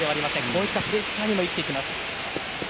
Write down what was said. こういったプレッシャーにも生きてきます。